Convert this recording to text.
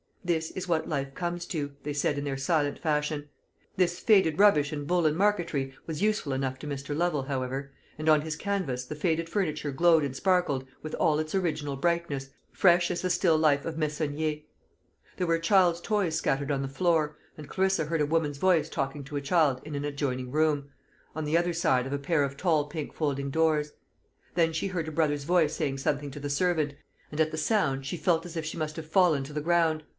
"This is what life comes to," they said in their silent fashion. This faded rubbish in buhl and marqueterie was useful enough to Mr. Lovel, however; and on his canvas the faded furniture glowed and sparkled with all its original brightness, fresh as the still life of Meissonier. There were a child's toys scattered on the floor; and Clarissa heard a woman's voice talking to a child in an adjoining room, on the other side of a pair of tall pink folding doors. Then she heard her brother's voice saying something to the servant; and at the sound she felt as if she must have fallen to the ground.